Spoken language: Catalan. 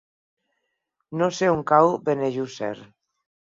No sé on cau Benejússer.